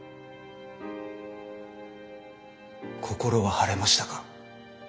心は晴れましたか？